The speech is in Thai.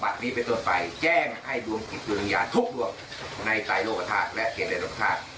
บัตรนี้เป็นต้นไปแจ้งให้ดวงจิตวิญญาณทุกดวงในใต้โลกภาษาและเกณฑ์โลกภาษา